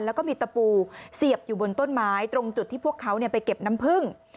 แล้วก็มีตะปูเสียบอยู่บนต้นไม้ตรงจุดที่พวกเขาไปเก็บน้ำผึ้ง